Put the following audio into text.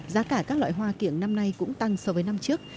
giá cả các loại hoa kiểng năm nay cũng tăng so với năm trước